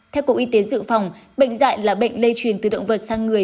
theo cục y tế dự phòng bệnh dạy là bệnh lây truyền từ động vật sang người